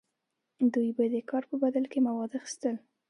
دوی به د کار په بدل کې مواد اخیستل.